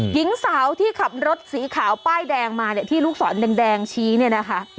หญิงสาวที่ขับรถสีขาวป้ายแดงมาเนี่ยที่ลูกศรแดงชี้เนี่ยนะคะ